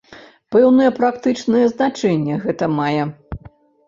Пэўнае практычнае значэнне гэта мае.